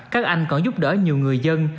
các anh còn giúp đỡ nhiều người dân